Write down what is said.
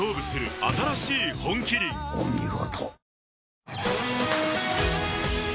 お見事。